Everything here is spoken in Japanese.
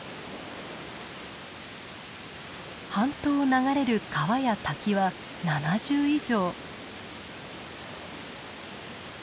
半島を流れる川や滝は７０以上。